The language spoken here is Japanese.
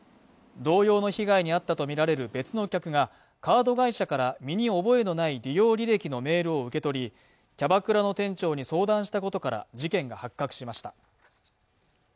同様の被害に遭ったと見られる別の客がカード会社から身に覚えのない利用履歴のメールを受け取りキャバクラの店長に相談したことから事件が発覚しました